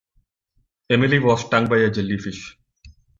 Emily was stung by a jellyfish.